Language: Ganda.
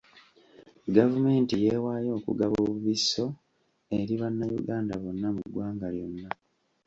Gavumenti yeewaayo okugaba obubisso eri bannayuganda bonna mu ggwanga lyonna.